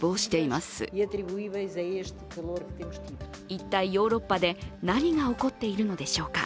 一体、ヨーロッパで何が起こっているのでしょうか。